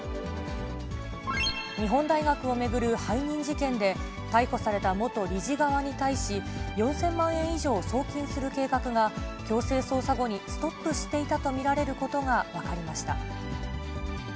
日本大学を巡る背任事件で、逮捕された元理事側に対し、４０００万円以上送金する計画が、強制捜査後にストップしていたと見られることが分かりました。